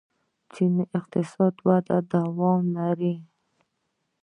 چین اقتصادي وده ادامه لري.